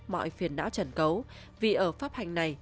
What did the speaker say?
mọi phiền não trần cấu vì ở pháp hành này